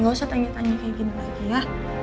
gak usah tanya tanya kayak gini lagi ya